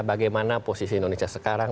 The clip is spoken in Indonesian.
bagaimana posisi indonesia sekarang